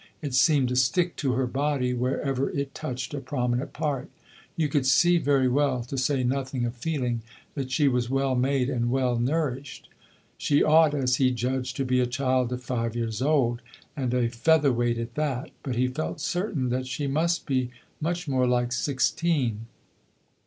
It seemed to stick to her body wherever it touched a prominent part: "you could see very well, to say nothing of feeling, that she was well made and well nourished." She ought, as he judged, to be a child of five years old, "and a feather weight at that"; but he felt certain that she must be "much more like sixteen."